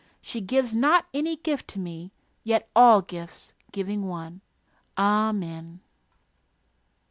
She gives not any gift to me Yet all gifts, giving one.... Amen.